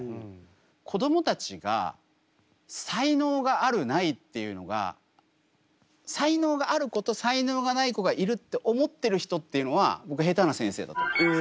子どもたちが才能があるないっていうのが才能がある子と才能がない子がいるって思ってる人っていうのは僕へたな先生だと思います。